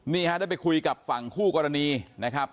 นี่ฮะได้ไปคุยกับฝั่งคู่กรณีนะครับ